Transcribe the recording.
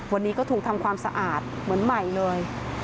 วันนี้ก็ถูกทำความสะอาดเหมือนใหม่เลย